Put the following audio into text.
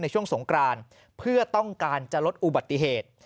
ช่วงสงกรานเพื่อต้องการจะลดอุบัติเหตุ